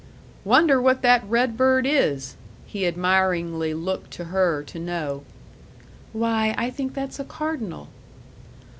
"Wonder what that red bird is?" He admiringly looked to her to know. "Why, I think that's a cardinal."